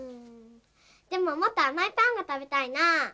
でももっとあまいパンがたべたいなぁ。